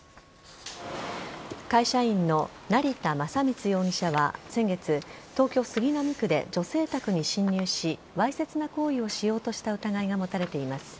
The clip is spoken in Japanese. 会社員の成田正光容疑者は先月、東京・杉並区で女性宅に侵入しわいせつな行為をしようとした疑いが持たれています。